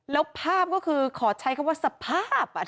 แล้วภาพก็คือขอใช้คำว่าสภาพ